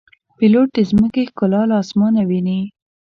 پیلوټ د ځمکې ښکلا له آسمانه ویني.